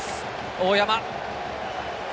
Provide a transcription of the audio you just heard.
大山。